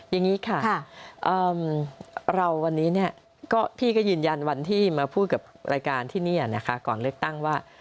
อย่างนี้ค่ะเราวันนี้พี่ก็ยืนยันวันที่มาพูดกับรายการที่นี่นะคะก่อนเลือกตั้งว่า